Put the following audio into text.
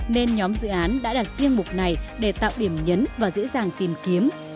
nên nhóm dự án đã đặt riêng mục này để tạo điểm nhấn và dễ dàng tìm kiếm